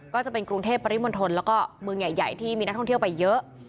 ก็จะเป็นกรุงเทพปริมณฑลแล้วก็เมืองใหญ่ที่มีนักท่องเที่ยวไปเยอะ